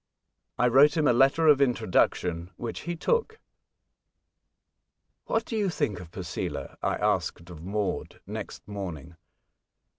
I wrote him a letter of introduction, which he took. " What do you think of Posela ?" I asked of Maud next morning.